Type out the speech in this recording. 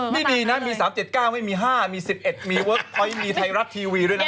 นี่ดีนะมี๓๗๙ไม่มี๕มี๑๑มีเวิร์คพอยต์มีไทยรัฐทีวีด้วยนะครับ